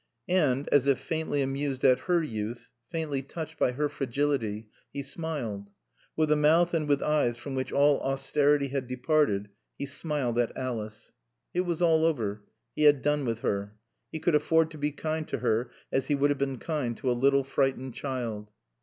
And, as if faintly amused at her youth, faintly touched by her fragility, he smiled. With a mouth and with eyes from which all austerity had departed he smiled at Alice. (It was all over. He had done with her. He could afford to be kind to her as he would have been kind to a little, frightened child.)